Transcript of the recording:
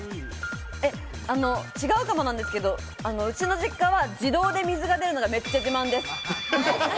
違うかもなんですけど、うちの実家は自動で水が出るのがめっちゃ自慢です。